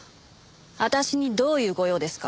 私にどういうご用ですか？